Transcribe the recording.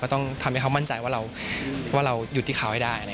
ต้องทำให้เขามั่นใจว่าเราหยุดที่เขาให้ได้